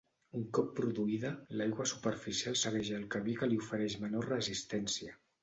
Un cop produïda, l'aigua superficial segueix el camí que li ofereix menor resistència.